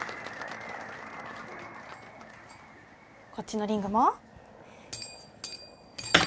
・こっちのリングも。